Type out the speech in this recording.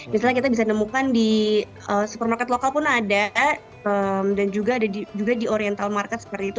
misalnya kita bisa nemukan di supermarket lokal pun ada dan juga di oriental market seperti itu